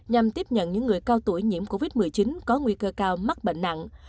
nhằm tiếp nhận những người cao tuổi nhiễm covid một mươi chín có nguy cơ cao mắc bệnh nặng